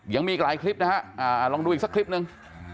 ยังมีอีกหลายคลิปนะฮะลองดูอีกสักคลิปหนึ่ง